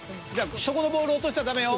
そこのボール落としたらダメよ。